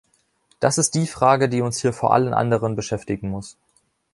Das ist die Frage, die uns hier vor allen anderen beschäftigen muss.